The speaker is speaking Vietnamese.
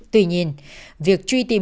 tuy nhiên việc truy tìm